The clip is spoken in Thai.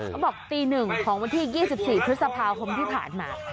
ก็บอกตีหนึ่งของวันที่๒๔พฤษภาคมที่ผ่านมา